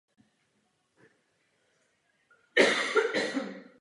Vznik sopky je datován na konec pleistocénu.